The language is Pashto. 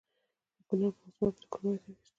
د کونړ په اسمار کې د کرومایټ نښې شته.